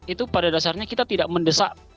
itu pada dasarnya kita tidak mendesak